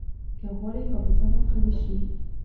که غواړئ حافظه مو قوي شي.